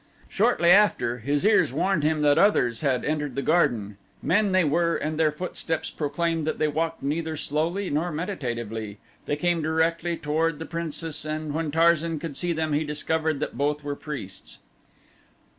Shortly after his ears warned him that others had entered the garden men they were and their footsteps proclaimed that they walked neither slowly nor meditatively. They came directly toward the princess and when Tarzan could see them he discovered that both were priests.